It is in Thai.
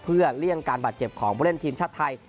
เพื่อเลี่ยงการบาดเจ็บของผู้เล่นทีมชาติไทย